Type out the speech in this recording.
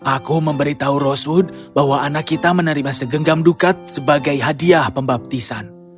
aku memberitahu roswood bahwa anak kita menerima segenggam dukat sebagai hadiah pembaptisan